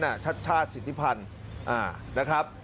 กรทมด้วยนั้นชาติชาติสิทธิพันธ์นะครับ